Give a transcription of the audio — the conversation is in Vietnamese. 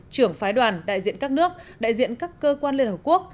trưởng phái đoàn đại diện các nước đại diện các cơ quan liên hợp quốc